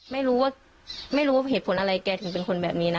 ไม่รู้ว่าเหตุผลอะไรแกถึงเป็นคนแบบนี้นะ